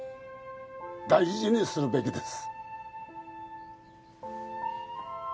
大事にするべきです